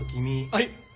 はい！